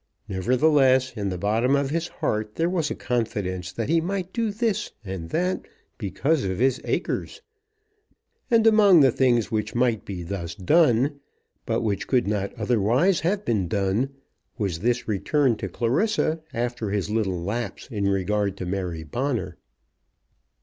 Nevertheless, in the bottom of his heart, there was a confidence that he might do this and that because of his acres, and among the things which might be thus done, but which could not otherwise have been done, was this return to Clarissa after his little lapse in regard to Mary Bonner.